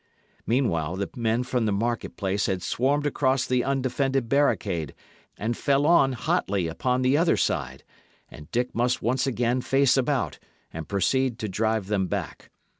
Meanwhile the men from the market place had swarmed across the undefended barricade, and fell on hotly upon the other side; and Dick must once again face about, and proceed to drive them back.